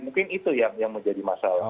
mungkin itu yang menjadi masalah